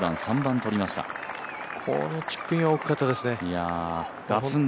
このチップインは大きかったですね。